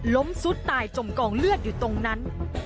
ซุดตายจมกองเลือดอยู่ตรงนั้น